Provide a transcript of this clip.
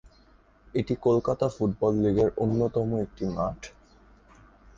এটি কলকাতা ফুটবল লীগের অন্যতম একটি মাঠ।